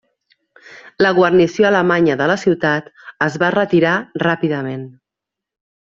La guarnició alemanya de la ciutat es va retirar ràpidament.